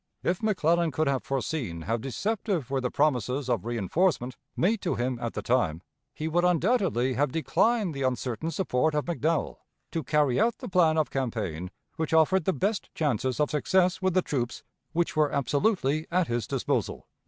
... If McClellan could have foreseen how deceptive were the promises of reënforcement made to him at the time, he would undoubtedly have declined the uncertain support of McDowell, to carry out the plan of campaign which offered the best chances of success with the troops which were absolutely at his disposal."